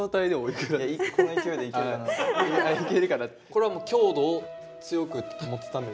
これは強度を強く保つため？